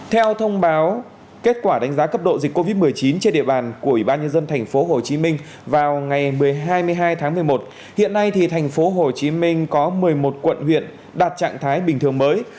theo thông báo kết quả đánh giá cấp độ dịch covid một mươi chín trên địa bàn của bà nhân dân thành phố hồ chí minh vào ngày hai mươi hai một mươi một hiện nay thành phố hồ chí minh có một mươi một quận huyện đạt trạng thái bình thường mới